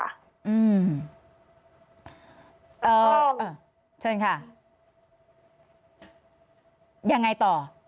เอ่อเชิญค่ะยังไงต่อ